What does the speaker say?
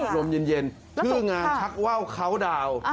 โรนเย็นชื่องานชักว้าวคราวดาว